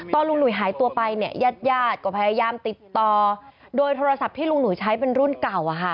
ตอนลุงหนุ่ยหายตัวไปเนี่ยญาติญาติก็พยายามติดต่อโดยโทรศัพท์ที่ลุงหนุ่ยใช้เป็นรุ่นเก่า